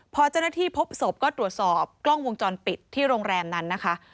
พอเจ้าหน้าที่พบศพก็ตรวจสอบกล้องวงจรปิดที่โรงแรมนั้นนะคะ